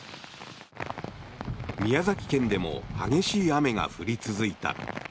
宮崎県でも激しい雨が降り続いた。